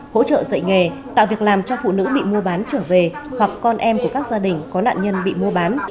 hỗ trợ dạy nghề tạo việc làm cho phụ nữ bị mua bán trở về hoặc con em của các gia đình có nạn nhân bị mua bán